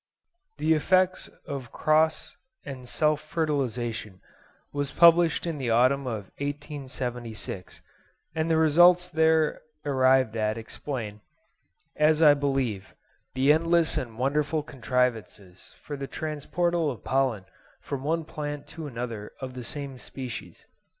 'The Effects of Cross and Self Fertilisation' was published in the autumn of 1876; and the results there arrived at explain, as I believe, the endless and wonderful contrivances for the transportal of pollen from one plant to another of the same species.